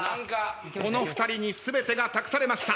この２人に全てが託されました。